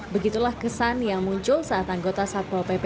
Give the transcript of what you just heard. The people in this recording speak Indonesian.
begitulah kesan yang muncul saat anggota satpol pp